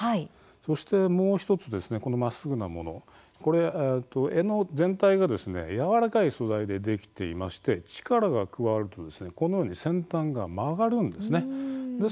そして、もう１つこのまっすぐなもの柄の全体がやわらかい素材でできていまして力が加わると先端が曲がるんです。